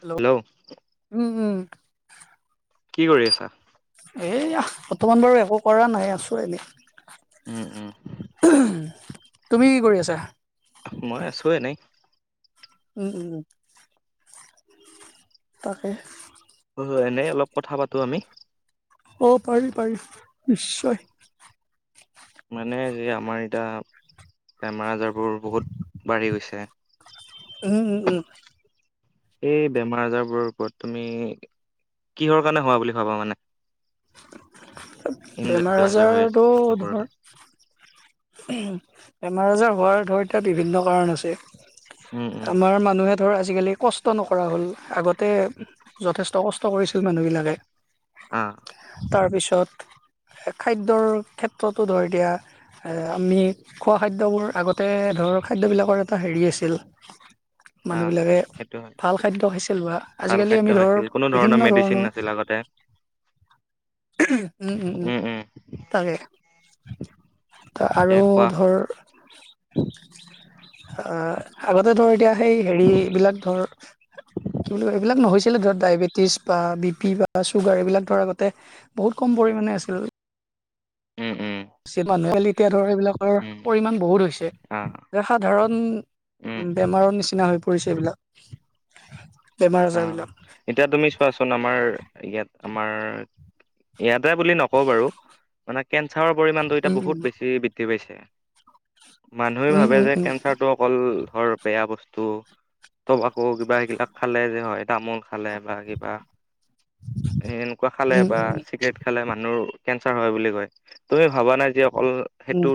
Hello. উম, উম। কি কৰি আছা? এয়া বৰ্তমান বাৰু একো কৰা নাই আছোঁ এনেই। উম, উম। তুমি কি কৰি আছা? মই আছোঁ এনেই। উ, উ, উ। তাকে। হয় এনেই অলপ কথা পাতো আমি। অ' পাৰি পাৰি নিশ্চয়। মানে যে আমাৰ এতিয়া বেমাৰ আজাৰবোৰ বহুত বাঢ়ি গৈছে। উ, উ, উ। এই বেমাৰ আজাৰবোৰৰ ওপৰত তুমি কিহৰ কাৰণে হোৱা বুলি ভাবা মানে? বেমাৰ আজাৰ হৈ আছে আজাৰটো মানুহবোৰৰ। ধৰ বেমাৰ আজাৰ হোৱাৰ ধৰ এতিয়া বিভিন্ন কাৰণ আছে। উম, উম, আমাৰ মানুহে ধৰ আজিকালি কষ্ট নকৰা হ'ল, আগতে যথেষ্ট কষ্ট কৰিছিল মানুহবিলাকে অ'। তাৰপিছত খাদ্যৰ ক্ষেত্ৰতো ধৰি দিয়া আমি খোৱা খাদ্যবোৰ আগতে ধৰ খাদ্যবিলাকৰ এটা হেৰি আছিল অ'। মানুহবিলাকে সেইটো হয়, ভাল খাদ্য খাইছিল বা ভাল আজিকালি খাদ্য আমি ধৰ খাইছিল, কোনো বিভিন্ন মেডিচিন ধৰণৰ [unintelligible] উম, উম, উম। তাকে। ত' এতিয়া আৰু কোৱা। ধৰ [inaudible] আ, আগতে ধৰ এতিয়া সেই হেৰি বিলাক ধৰ কি বুলি কয়, এইবিলাক নহৈছিলে, ধৰ ডায়েবেটিছ বা বি পি বা চুগাৰ এইবিলাক ধৰা আগত তে বহুত কম পৰিমাণে আছিল। উম, উম, পিছে মানুহে পলিট এইবিলাকৰ উম, পৰিমান বহুত হৈছে অ', যে সাধাৰণ উম, বেমাৰৰ নিচিনা হৈ কৰিছে এইবিলাক। বেমাৰ আজাৰ অ' বিলাক। এতিয়া তুমি চোৱাচোন আমাৰ ইয়াত আমাৰ ইয়াত বুলি নকও বাৰু, মানে কেঞ্চাৰৰ পৰিমাণটো এতিয়া উম বহুত উম বেছি বৃদ্ধি পাইছে। মানুহে উম ভাবে উম যে উম কেঞ্চাৰটো অকল ধৰ বেয়া বস্তু ত' আকৌ কিবা সেইগিলাক খালে যে হয় তামোল খালে বা কিবা এ, এনেকুৱা খালে উম বা উম চিগৰেট খালে মানুহ নুৰ কেঞ্চাৰ হয় বুলি কয়, তুমি ভবা নাই যি অকল উম।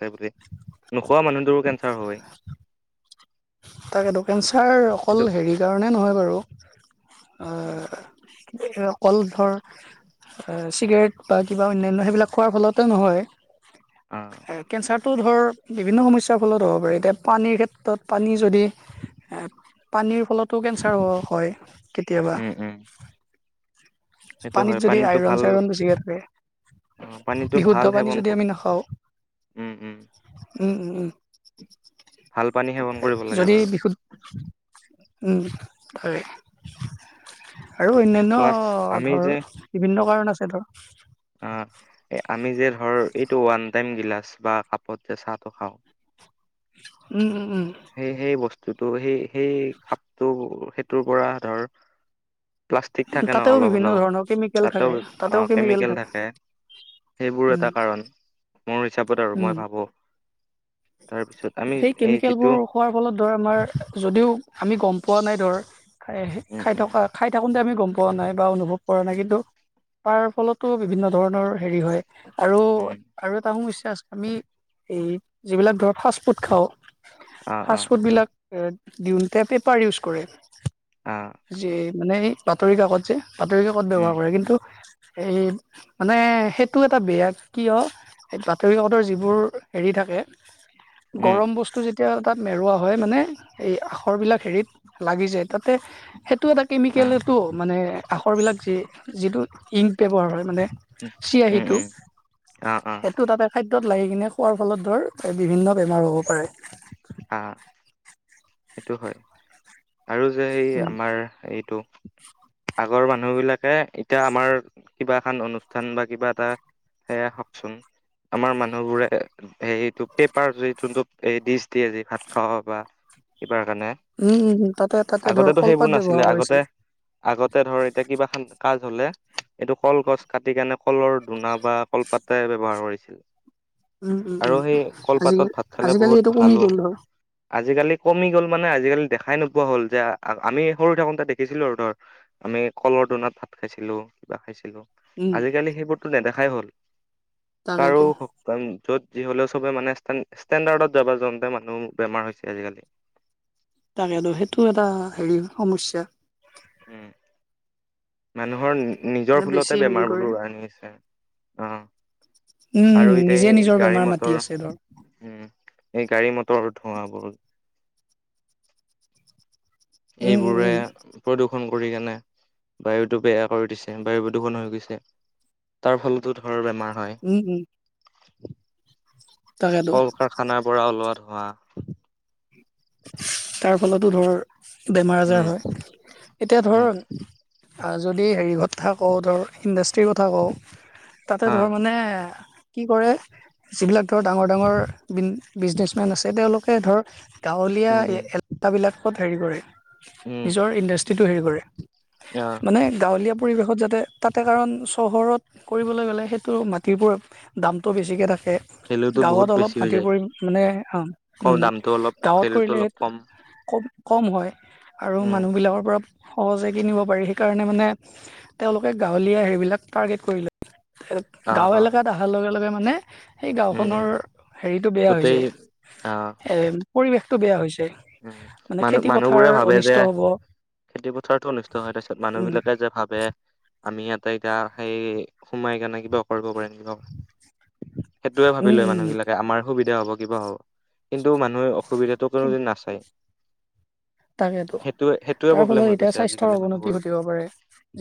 বাৰে পতি নোখোৱা মানুহটোৰো কেঞ্চাৰ হয়। তাকেতো কেঞ্চাৰ অকল সেইটো হেৰিৰ কাৰণে নহয় বাৰু উম এ কল ধৰ চিগাৰেট বা কিবা অন্যান্য সেইবিলাক খোৱাৰ ফলতে নহয়। অ কেঞ্চাৰটো ধৰ বিভিন্ন সমস্যাৰ ফলত হ'ব পাৰে, এতিয়া পানীৰ ক্ষেত্ৰত পানী যদি পানীৰ ফলতো কেঞ্চাৰ হয় কেতিয়াবা। উম উম সেইটো পানীত হয় যদি পানীটো আইৰন ভাল চাইৰন বেছিকৈ থাকে। অ পানীটো বিশুদ্ধ ভাল পানী সেৱন ক যদি আমি নাখাওঁ উম উম উম, উম, উম। ভাল পানী সেৱন কৰিব লাগে যদি বাৰু বিশুদ্ধ উম, হয়। আৰু অন্যান্য প্লাছ আমি ধৰ বিভিন্ন কাৰণ আছে ধৰ। আ, আমি যে ধৰ এইটো ওৱান টাইম গিলাচ বা কাপত যে চাহটো খাওঁ উম, উম। উম সেই সেই বস্তু যিটো সেই সেই কাপটো সেইটোৰপৰা ধৰ প্লাষ্টিক থাকে ন' তাতেও অলপ বিভিন্ন হ'লেও ধৰণৰ কেমিকেল তাতেও থাকে তাতেও অ' কেমিকেল থাকে। সেইবোৰো উম এটা কাৰণ। মোৰ হিচাপত আৰু, মই উম ভাবোঁ। তাৰপিছত আমি সেই এই যে কেমিকেলবোৰ খোৱাৰ ফলত ধৰ আমাৰ যদিও আমি গম পোৱা নাই ধৰ খাই উম খাই উম থকা খাই থাকোঁতে আমি গম পোৱা নাই বা অনুভৱ কৰা নাই উম কিন্তু তাৰ ফলতো বিভিন্ন ধৰণৰ হেৰি হয় আৰু উম আৰু এটা সমস্যা আছে আমি এই যিবিলাক ধৰ ফাষ্টফুড খাওঁ, অ অ ফাষ্ট ফুডবিলাক দিওঁতে পেপাৰ ইউজ কৰে অ যে, মানে বাতৰি কাকত যে। বাতৰি কাকত উম ব্যৱহাৰ কৰে কিন্তু এই মানে সেইটো এটা বেয়া কিয় হেই বাতৰি কাকতৰ যিবোৰ হেৰি থাকে উম গৰম বস্তু যেতিয়া তাত মেৰুৱা হয় মানে এই আখৰবিলাক হেৰিত লাগি যায় তাতে সেইটো এটা অ কেমিকেলটো মানে আখৰবিলাক যি যিটো ইংক ব্যৱহাৰ হয় মানে উম চিয়হীটো উম অ অ সেইটো তাতে খাদ্য দত লাগি কিনে খোৱাৰ ফলত ধৰ বিভিন্ন বেমাৰ হ'ব পাৰে। আ, এইটো হয়। আৰু যে এই উম আমাৰ এইটো আগৰ মানুহবিলাকে এতিয়া আমাৰ কিবা এখন অনুষ্ঠান বা কিবা এটা সেয়া হকচোন। আমাৰ মানুহবোৰে সেইটো পেপাৰ যে যোনটো এই ডিচ দিয়ে যি ভাত খাৱ বা বাৰ কাৰণে, উম উম উম তাতে তাতে ধৰ আগতেতো সেইবোৰ কলপাত ব্যৱহাৰ নাছিলে আগতে কৰিছিল আগতে ধৰ এতিয়া কিবা খান কাজ হ'লে এইটো কলগছ কাটি কেনে কলৰ ধূনা বা কলপাতে ব্যৱহাৰ কৰিছিল। উম উম আৰু উম সেই আজি কলপাতত ভাত খালে আজিকালি বহুত এইটো কমি ভালো। গ'ল ধৰ আজিকালি কমি গ'ল মানে আজিকালি দেখাই নোপোৱা হ'ল যে আমি সৰু থাকোতে দেখিছিলোঁ আৰু ধৰ আমি কল পধুনত ভাত খাইছিলোঁ কিবা খাইছিলোঁ। উম আজিকালি সেইবোৰতো নেদেখাই হ'ল। কাৰো তাকেতো খ য'ত যি হ'লেও চবেই মানে ষ্টে-ষ্টেণ্ডাৰ্ডত যাব যাওঁতে মানুহ বেমাৰ হৈছে আজিকালি। তাকেতো সেইটো এটা হেৰি সমস্যা। উম। মানুহৰ নিজৰ মানে বেছি ভূলতে হেৰি কৰে বেমাৰবোৰো আনি আছে অ'। উম আৰু নিজে এতিয়া নিজৰ গাড়ী বেমাৰ মাতি মটৰ, আছে ধৰ উম। এই গাড়ীমটৰৰ ধোঁৱাবোৰ। উম উম এইবোৰে উম প্ৰদূষণ কৰি কেনে বায়ুটো বেয়া কৰি দিছে, বায়ু প্ৰদূষণ হৈ গৈছে। তাৰফলতো ধৰ বেমাৰ হয় উম, উম। তাকেতো কল কাৰখানাৰপৰা ওলোৱা ধোৱা। তাৰফলতো ধৰ বেমাৰ আজাৰ উম হয়। এতিয়া ধৰ উম আ যদি হেৰি কথা কওঁ, ধৰ ইণ্ডাষ্ট্ৰীৰ কথা কওঁ তাতে হা ধৰ মানে কি কৰে যিবিলাক ধৰ ডাঙৰ ডাঙৰ বি-বিজনেছমেন আছে তেওঁলোকে ধৰ গাঁৱলীয়া উম উম এলেকাবিলাকত হেৰি কৰে, উম নিজৰ ইণ্ডাষ্ট্ৰিটো হেৰি কৰে। অ মানে গাঁৱলীয়া পৰিৱেশত যাতে তাতে কাৰণ চহৰত কৰিবলৈ গ'লে সেইটো মাটিৰ পৰ দামটো বেছিকৈ থাকে। ভেলুটো বহুত গাঁৱত অলপ বেছি হৈ মাটিৰ যায় পৰি মানে, অ কম উম দামটো অলপ ভেলুটো অলপ কম। খুম কম হয় আৰু উম মানুহবিলাকৰ পৰা সহজে কিনিব পাৰি সেইকাৰণে মানে তেওঁলোকে গাঁৱলীয়া হেৰিবলাক টাৰ্গেট কৰি লয়। অ গাঁও অ এলেকাত অহাৰ লগে লগে মানে সেই উম উম গাঁওখনৰ হেৰিটো বেয়া হৈ গোটেই যায়, এ পৰিৱেশটো বেয়া হৈ যায় উ মানে খেতি পথাৰ মানুহ-মানুহবোৰে ভাবে যে অনিষ্ট হ'ব খেতি পথাৰতো অনুষ্ট হয়, তাৰপিছত মানুহ উম বিলাকে যে ভাবে আমি ইতে এতিয়া গা সেই সোমাই কাৰনে কিবা কৰিব পাৰিম দিয়ক। সেইটোৱে ভাবি উম লয় উম মানুহবিলাকে আমাৰ সুবিধা হ'ব, কিবা হ'ব, কিন্তু মানুহে অসুবিধাতটো কোনো নাচ তাকেটো। সেইটোৱে সেইটোৱে তাৰ প্ৰব্লেম ফলত হৈ এতিয়া গৈছে স্বাস্থ্যৰ আজিকালি অৱনতি মানুহবোৰৰ ঘটিব পাৰে,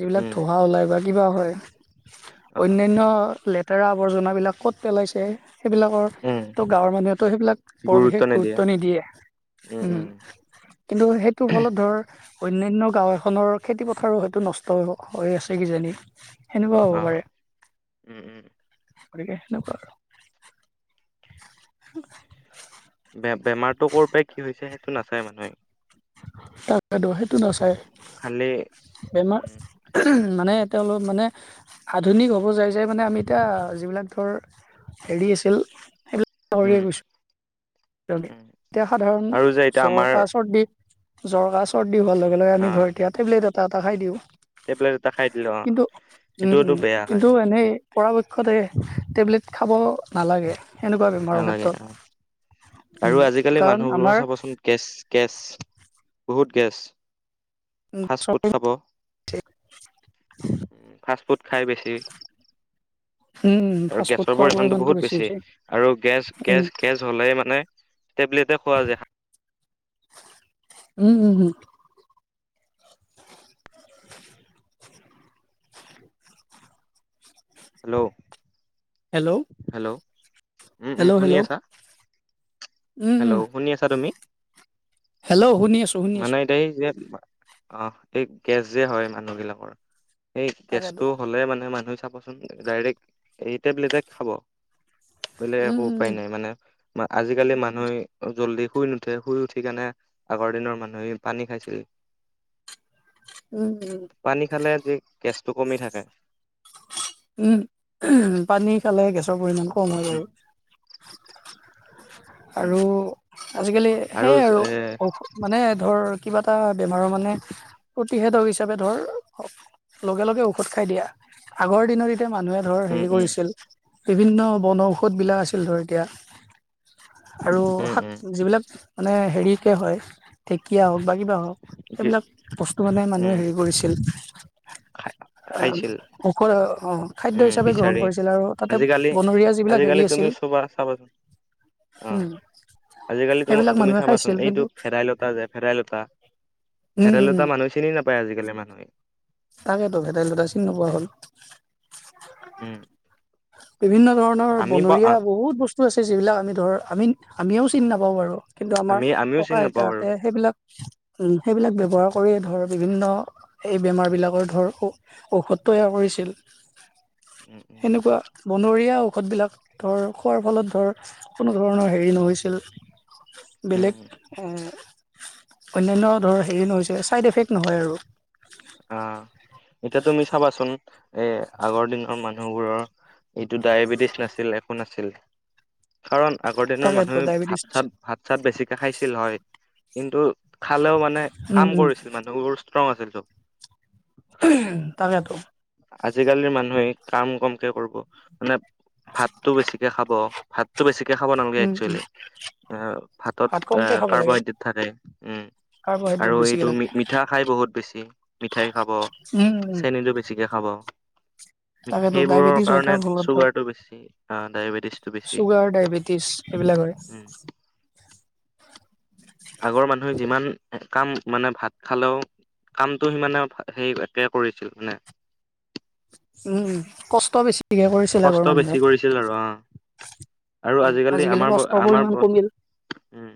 যিবিলাক উম ধোঁৱা ওলায় বা কিবা হয়। অ অন্যান্য লেতেৰা আৱৰ্জনাবিলাক ক'ত পেলাইছে। সেইবিলাকৰ উম তো গাঁৱৰ মানুহেতটো সেইবিলাক বৰ বিশেষ গুৰুত্ব নিদিয়ে। উম। কিন্তু সেইটোৰ ফলত ধৰ অন্যান্য গাঁও এখনৰ খেতি পথাৰো হয়টো নষ্ট হৈ আছে কিজানি [inaudible] অ পাৰে উম উম। গতিকে সেনেকুৱা আৰু। বেমাৰটো ক'ৰ পৰাই কি হৈছে সেইটো নাচায় মানুহে। তাক সেইটো না, খালি বেমাৰ উম মানে তেওঁ মানে আধুনিক হ'ব যায় যায় মানে আমি এতিয়া যিবিলাক ধৰ হেৰি আছিল সেইবিলাক উম পাহৰিয়ে গৈছো, [unintelligible] উম এতিয়া সাধাৰণ আৰু যে এতিয়া জ্বৰ, আমাৰ কাহ, চৰ্দি জ্বৰ, কাহ, চৰ্দি হোৱাৰ লগে লগে আমি ধৰ এতিয়া টেবলেট এটা এটা খাই দিওঁ। টেবলেত এটা খাই দিলো অ কিন্তু, উম সেইটোতো উম বেয়া হয় কিন্তু এনেই পৰাপক্ষত এই টেবলেট খাব নালাগে সেনেকুৱা বেমাৰৰ নালাগে ক্ষেত্ৰত। অ উম আৰু আজিকালি কাৰণ মানুহবোৰৰ আমাৰ চাবচোন গছ-গেছ বহুত গেছ। ফাচ ফুড খাব। ফাচ ফু খাই বেছি উম, আৰু ফাষ্ট ফুড গেছৰ খোৱাৰ পৰিমণটো পৰিমাণটো বহুত বেছি হৈছে। আৰু উম, গেছ-গেছ-গেছ হ'লে মানে টেবলেটে খোৱা যায়। উম উম উম। [unintelligible] হেল্ল'। Hello, hello. উম উম হেল্ল', শুনি হেল্ল', আছা? উম, হেল্ল' উম, শুনি আছা তুমি? হেল্ল। শুনি আছোঁ, শুনি মানে আছোঁ। এতিয়া এই যে আহ এই গেছ যে হয় মানুহ বিলাকৰ। সেই গেছটো তাকেতো, হ'লে মানে মানুহে চাবচোন ডাইৰেক্ট এই টেবলেটে খাব। বেলেগ উম, একো উপায় উম, নাই মানে আজিকালি মানুহে জল্দি শুই নুঠে, শুই উঠি কেনে আগৰ দিনৰ মানে পানী খাইছিল, উম, উম, পানী খালে যে টো কমি থাকে। উম পানী খালে গেছৰ পৰিমাণ কম হয় বাৰু। উম উম আৰু আজিকালি সেয়াই আৰু মানে ধৰ কিবা এটা বেমাৰৰ মানে উত প্ৰতিষেধক হিচাপে ধৰ লগে লগে ঔষধ খাই দিয়া। আগৰ দিনৰ তিয়া মানুহে ধৰ উম হেৰি উম কৰিছিল, বিভিন্ন বনঔষধবিলাক আছিল ধৰ এতিয়া আৰু উম উম শাক যিবিলাক মানে হেৰিকে হয় ঢেঁকীয়া হওক বা কিবা হওক কি সেইবিলাক বস্তু মানে মানুহে হেৰি কৰিছিল। খা ঔখ খাদ্য উম হিচাপে বিচাৰি গ্ৰহণ কৰিছিল আৰু তাতে আজিকালি বনৰীয়া যিবিলাক আজিকালি হেৰি তুমি আছিল চবা চাবচোন। উম অ'। আজিকালি সেইবিলাক তম-তুমি মানুহে চাবাচোন খাইছিল এইটো কিন্তু ভেদাইলতা যে ভেদাইলতা উম উম ভেদাইলতা মানুহ চিনি নাপায় আজিকালি মানুহে। তাকেইেতো ভেদাইলতাই চিন নোপোৱা হ'ল। উম। বিভিন্ন ধৰণৰ আমি পা বনৰীয়া বহুত বস্তু আছে যিবিলাক আমি ধৰ আমি আমিও চিনি নাপাওঁ বাৰু। কিন্তু আমাৰ ককা আইতাহঁতে সেইবিলাক উ সেইবিলাক ব্যৱহাৰ কৰিয়েই ধৰ বিভিন্ন এই বেমাৰবিলাকৰ ধৰ ঔষধ তৈয়াৰ কৰিছিল। উম, উম। সেনেকুৱা বনৰীয়া ঔষধবিলাক ধৰ খোৱাৰ ফলত ধৰ কোনো ধৰণৰ হেৰি নহৈছিল। উম বেলেগ উ অন্যান্য ধৰ হেৰি নহৈছে, চাইড এফেক্ট নহয় আৰু। আহ এতিয়া তুমি চাবাচোন এ, আগৰ দিনৰ মানুহবোৰৰ এইটো ডায়েবেটিছ নাছিল, একোঁ নাছিল কাৰণ আগৰ দিনৰ তাকেতো মানুহে ডায়েবেটিছ ভাত চাত, ভাত চাত বেছিকৈ খাইছিল হয় কিন্তু খালেও মানে উম কাম উম কৰিছিল মানুহবোৰ ষ্ট্ৰং আছিল চব। তাকেতো। আজিকালিৰ মানুহে কাম কমকে কৰিব মানে ভাতটো বেছিকে খাব। ভাতটো বেছিকে খাব নালাগে উম উম একচুৱেলি। আ, ভাতত ভাত আ, কমকে খাব লাগে কাৰ্বহাইড্ৰেট থাকে উম। কাৰ্বহাইড্ৰেট আৰু বেছিকে এইটো থাকে মিঠা খাই বহুত বেছি, মিঠাই খাব উম উম চেনীটো বেছি চিকে খাব। তাকেতো সেইবোৰৰ ডায়েবেটিছ হৈ কাৰণে তাৰ ফলত ধৰ চুগাৰটো বেছি, অ' ডায়েবেটিছটো বেছি। সেইবিলাকৰে। [inaudible] আগৰ মানুহে যিমান কাম মানে ভাত খালেও কামটো সি মমানে সেই একে কৰিছিল মানে। [inaudible] উম, উ, কষ্ট বেছি। কষ্ট বেছি কৰিছিল আৰু অ'। আৰু উম আজিকালি আমাৰ কষ্টৰ আমাৰ পৰিমাণ কমিল উম,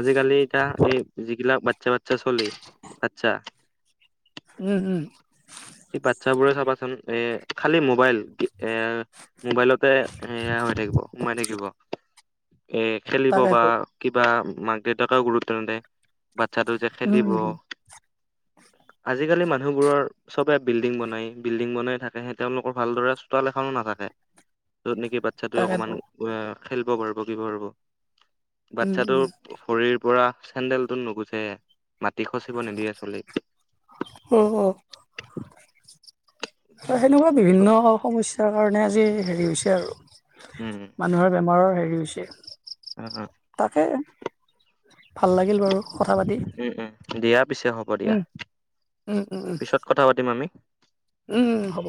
আজিকালি এতিয়া এই যিগিলাক আচছা চলি আচ্ছা উম, উম। ই বাচ্ছবোৰে চাবাচোন এ, খালি মোবাইল এ মোবাইলতে সেয়া হৈ থাকিব সোমাই থাকিব। এ, খেলিব বা তাকেতো কিবা মাক দেউতাকেও গুৰুত্ব নেদে। বাচ্ছাটোই যে উম খেলিব, উম আজিকালি মানুহবোৰৰ চবে বিল্ডিং বনাই, বিল্ডিং বনাই থাকে সেই তেওঁলোকৰ ভালদৰে চোতাল এখনো নাথাকে। য'ত নেকি বাচ্ছাতটো অকমান তাকেতো খেলিব পাৰিব, শিকিব পাৰিব। উম বাচ্ছাটো উম ভৰিৰ পৰা চেণ্ডেলটো নুগোচে। মাটি খচিব নিদিয়ে চলিক। অ অ সেনেকুৱা বিভিন্ন সমস্যা তাৰ কাৰণে আজি হেৰি হৈছে আৰু, উম মানুহৰ বেমাৰৰ হেৰি হৈছে। উম তাকে, ভাল লাগিল বাৰু কথা পাতি। উম উম দিয়া পিছে হ'ব দিয়া, উম উম উম পিছত কথা পাতিম আমি। উম, উম, হ'ব।